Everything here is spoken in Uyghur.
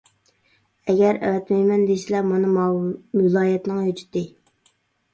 ئەگەر ئەۋەتمەيمەن دېسىلە، مانا ماۋۇ ۋىلايەتنىڭ ھۆججىتى.